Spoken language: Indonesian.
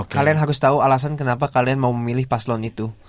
kalian harus tahu alasan kenapa kalian mau memilih paslon itu